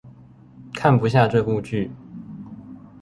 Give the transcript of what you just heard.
看不下這部劇